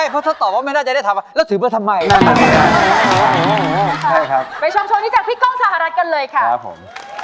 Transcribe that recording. ไปชมเสียงนี้มาข้างด้านผมพี่ก้องสหรัทกันเลยกันเลยครับ